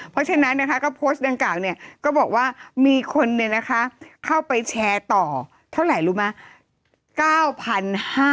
เพราะฉะนั้นทางกล่าวนะคะก็บอกว่ามีคนเข้าไปแชร์ต่อเท่าไหร่รู้ไหม